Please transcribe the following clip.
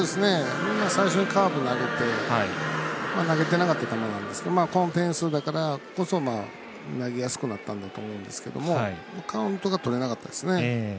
最初にカーブ投げて投げてなかった球なんですがこの点差だからこそ投げやすくなったからだと思うんですけどカウントがとれなかったですね。